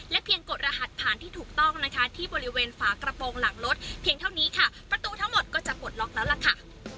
เพียงกดรหัสผ่านที่ถูกต้องนะคะที่บริเวณฝากระโปรงหลังรถเพียงเท่านี้ค่ะประตูทั้งหมดก็จะปลดล็อกแล้วล่ะค่ะ